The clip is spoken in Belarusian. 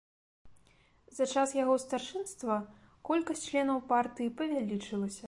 За час яго старшынства колькасць членаў партыі павялічылася.